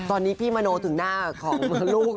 ตอนนี้พี่มโนถึงหน้าของลูก